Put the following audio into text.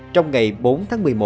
trong ngày bốn tháng một mươi một